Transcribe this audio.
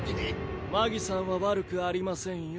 マギさんは悪くありませんよ。